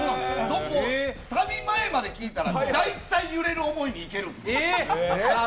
サビ前まで聴いたら大体「揺れる想い」にいけるんですよ。